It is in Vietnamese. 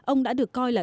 ông đã được coi là